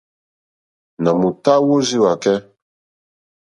Nà m-ùtá wórzíwàkɛ́.